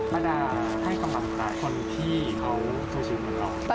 ไม่ได้ให้กำลังตายคนที่เขาชื่อมือเรา